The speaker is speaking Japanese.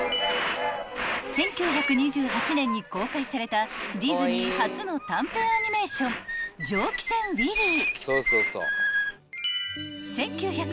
［１９２８年に公開されたディズニー初の短編アニメーション『蒸気船ウィリー』］